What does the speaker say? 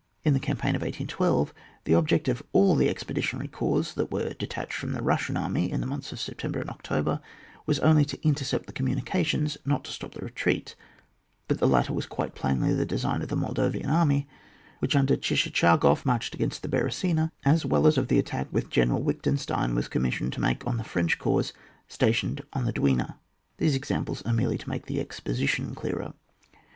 In the campaign of 1812, the object of all the expeditionary corps that were de tached from the Bussian army in the months of September and October, was only to intercept the communications* not to stop the retreat ; but the latter was quite plainly the design of the Mol davian army which, under Tschitschagof, marched against the Beresina, as well as of the attack which General Wittgenstein was commissioued to make on the French corps stationed on the Dwina. These examples are merely to make the exposition clearer.